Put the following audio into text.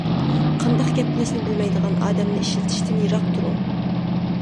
قانداق گەپ قىلىشنى بىلمەيدىغان ئادەمنى ئىشلىتىشتىن يىراق تۇرۇڭ.